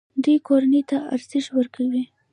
دوی کورنۍ ته ارزښت ورکوي.